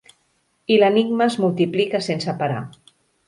I l'enigma es multiplica sense parar.